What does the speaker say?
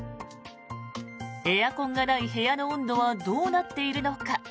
エアコンがない部屋の温度はどうなっているのか。